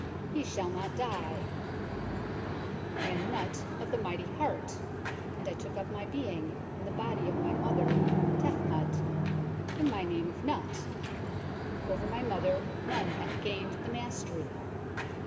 He shall not die. I am NUT of the mighty heart, and I took up my being in the body of my mother Tefnut in my name of Nut ; over my mother none hath gained the mastery.